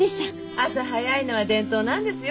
朝早いのは伝統なんですよ